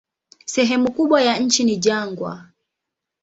Sehemu kubwa ya nchi ni jangwa.